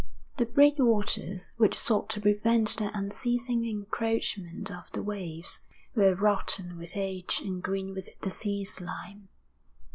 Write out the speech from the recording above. The breakwaters, which sought to prevent the unceasing encroachment of the waves, were rotten with age and green with the sea slime.